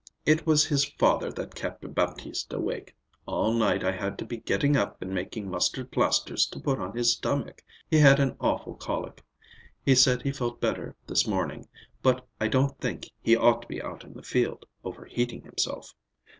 It was his father that kept Baptiste awake. All night I had to be getting up and making mustard plasters to put on his stomach. He had an awful colic. He said he felt better this morning, but I don't think he ought to be out in the field, overheating himself."